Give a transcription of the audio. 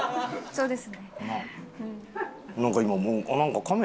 そうです。